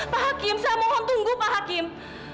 pak hakim saya mohon tunggu pak hakim